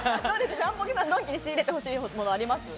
ジャンポケさんは仕入れてほしいものあります？